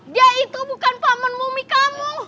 dia itu bukan paman mumi kamu